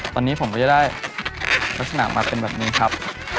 ตอนนี้ผมก็จะได้ลักษณะมาเป็นแบบนี้ครับ